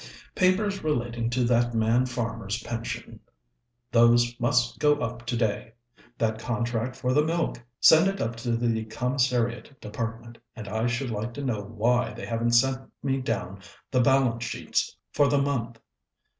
"Papers relating to that man Farmer's pension those must go up today. That contract for the milk send it up to the Commissariat Department, and I should like to know why they haven't sent me down the balance sheets for the month.